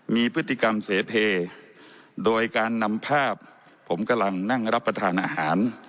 มีพฤติกรรมเสเพโดยการนำภาพผมกำลังนั่งรับประทานอาหาร